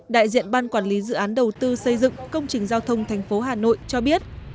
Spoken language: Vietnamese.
đại diện ban quản lý dự án đầu tư xây dựng công trình giao thông thành phố hà nội cho biết